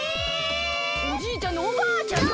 おじいちゃんのおばあちゃんが。